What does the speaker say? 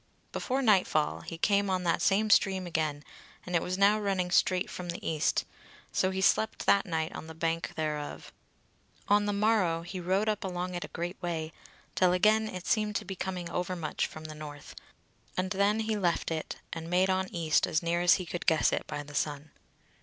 Before nightfall he came on that same stream again, and it was now running straight from the east; so he slept that night on the bank thereof. On the morrow he rode up along it a great way, till again it seemed to be coming overmuch from the north; and then he left it, and made on east as near as he could guess it by the sun.